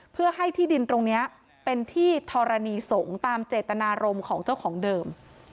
เพื่อให้ที่ดินตรงนี้เป็นที่ธรณีสงฆ์ตามเจตนารมณ์ของเจ้าของเดิม